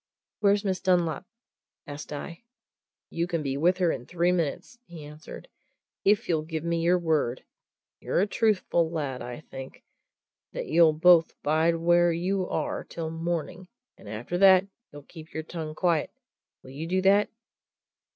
"Where's Miss Dunlop?" asked I. "You can be with her in three minutes," he answered, "if you'll give me your word and you're a truthful lad, I think that you'll both bide where you are till morning, and that after that you'll keep your tongue quiet. Will you do that?"